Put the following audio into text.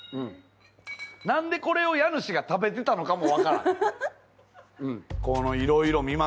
何でこれを家主が食べてたのかも分からん。